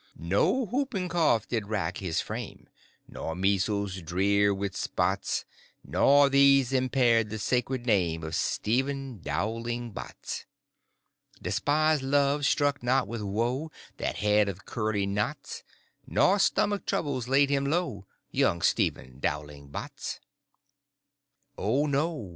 No whooping cough did rack his frame, Nor measles drear with spots; Not these impaired the sacred name Of Stephen Dowling Bots. Despised love struck not with woe That head of curly knots, Nor stomach troubles laid him low, Young Stephen Dowling Bots. O no.